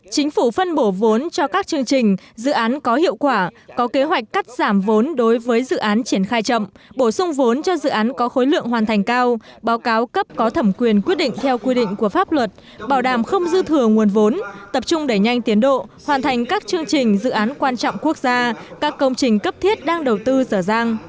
chính phủ phân bổ vốn cho các chương trình dự án có hiệu quả có kế hoạch cắt giảm vốn đối với dự án triển khai chậm bổ sung vốn cho dự án có khối lượng hoàn thành cao báo cáo cấp có thẩm quyền quyết định theo quy định của pháp luật bảo đảm không dư thừa nguồn vốn tập trung đẩy nhanh tiến độ hoàn thành các chương trình dự án quan trọng quốc gia các công trình cấp thiết đang đầu tư rở ràng